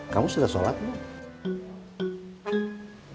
kamu sudah sholat bah